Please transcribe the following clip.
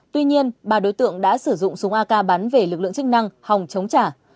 tuy nhiên ba đối tượng đã sử dụng súng ak bán về lực lượng chức năng hòng chống trả